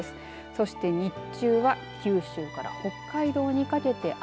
そして日中は九州から北海道にかけて雨。